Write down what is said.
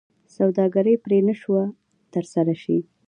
سوداګري پرې نه شوه ترسره شي.